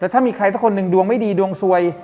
ถ้ามีใครสักคนหนึ่งดวงไม่ดีดวงสวย